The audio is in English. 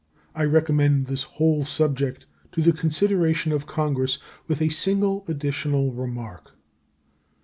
I recommend this whole subject to the consideration of Congress with a single additional remark.